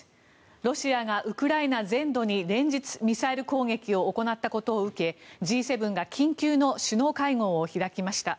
ロシアがウクライナ全土に連日ミサイル攻撃を行ったことを受けＧ７が緊急の首脳会合を開きました。